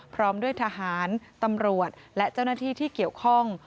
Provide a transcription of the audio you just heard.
พร้อมด้วยทหารตำรวจและเจ้าหน้าที่ที่เกี่ยวข้อง